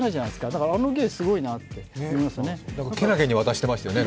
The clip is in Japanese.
だからあの芸、すごいなって思いますよね。